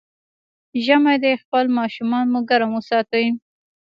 ژمی دی، خپل ماشومان مو ګرم وساتئ.